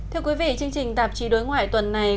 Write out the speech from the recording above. thưa quý vị chương trình tạp chí đối ngoại tuần này